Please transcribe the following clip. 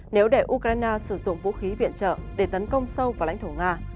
nếu để ukraine sử dụng vũ khí viện trợ để tấn công sâu vào lãnh thổ nga